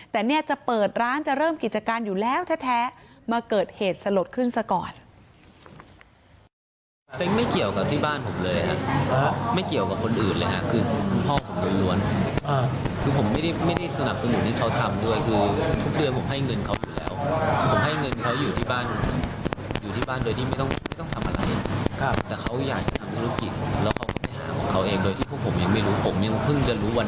แต่เนี่ยจะเปิดร้านจะเริ่มกิจการอยู่แล้วแท้มาเกิดเหตุสลดขึ้นซะก่อน